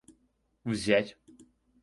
взять